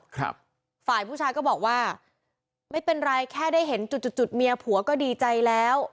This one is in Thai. ฝ่ายผู้ชายก็บอกว่าไม่เป็นไรแค่ได้เห็นจุดจุดจุดเมียผัวก็ดีใจแล้ว